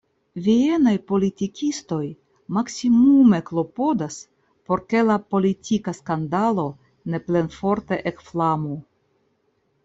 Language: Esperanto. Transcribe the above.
Vienaj politikistoj maksimume klopodas, por ke la politika skandalo ne plenforte ekflamu.